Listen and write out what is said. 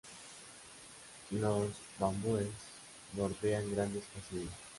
Los bambúes bordean grandes pasillos.